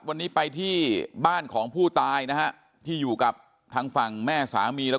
วันนี้ไปที่บ้านของผู้ตายนะฮะที่อยู่กับทางฝั่งแม่สามีแล้ว